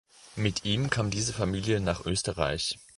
Mit ihm kam diese Familie nach Österreich.